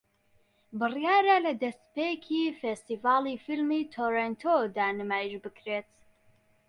بڕیارە لە دەستپێکی فێستیڤاڵی فیلمی تۆرێنتۆ دا نمایش بکرێت